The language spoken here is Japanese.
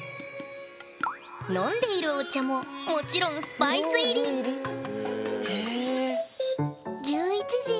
飲んでいるお茶ももちろんスパイス入りクローブ入り。